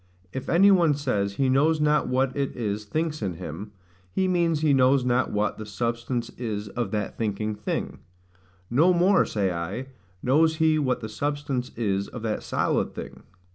If any one says he knows not what it is thinks in him, he means he knows not what the substance is of that thinking thing: No more, say I, knows he what the substance is of that solid thing.